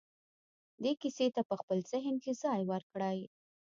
دې کيسې ته په خپل ذهن کې ځای ورکړئ.